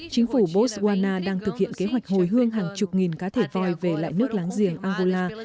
chính phủ botswana đang thực hiện kế hoạch hồi hương hàng chục nghìn cá thể voi về lại nước láng giềng angola